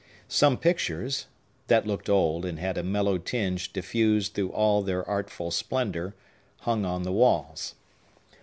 Some pictures—that looked old, and had a mellow tinge diffused through all their artful splendor—hung on the walls.